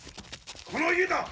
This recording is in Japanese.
・この家だ！